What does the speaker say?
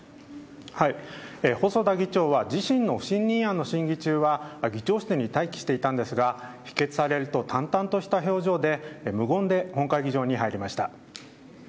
細田議長は自身の不信任案の審議中は議長室に待機していたんですが否決されると淡々とした表情で無言で本会議場に入りました。